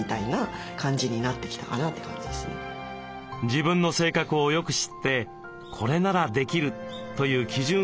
自分の性格をよく知って「これならできる」という基準を設ける。